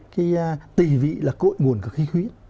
cái tỷ vị là cội nguồn của khí huyết